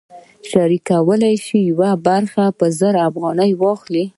شریک کولی شي یوه برخه په زر افغانۍ واخلي